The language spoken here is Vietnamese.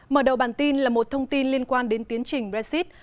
mở đầu bản tin là một thông tin liên quan đến tiến trình brexit